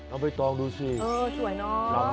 เอาไปตองดูสิสวยน้อง